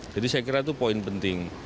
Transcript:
jadi saya kira itu poin penting